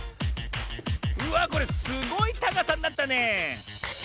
うわこれすごいたかさになったねえ。